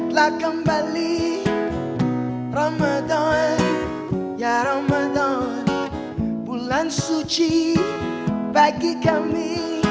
telah kembali ramadan ya ramadan bulan suci bagi kami